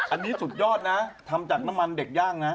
อันนี้สุดยอดนะทำจากน้ำมันเด็กย่างนะ